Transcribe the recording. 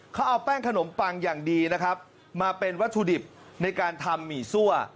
เขาเอาแป้งขนมปังอย่างดีนะครับมาเป็นวัตถุดิบในการทำหมี่ซั่ว